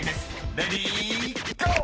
［レディーゴー！］